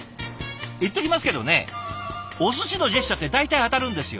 言っときますけどねおすしのジェスチャーって大体当たるんですよ。